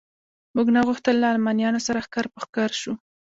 موږ نه غوښتل له المانیانو سره ښکر په ښکر شو.